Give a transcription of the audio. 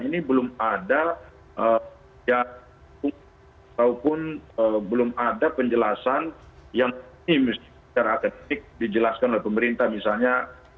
ini belum ada penjelasan yang ini secara teknik dijelaskan oleh pemerintah misalnya